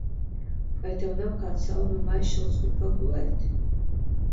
Vai tev nav kāds salmu maišelis, kur pagulēt?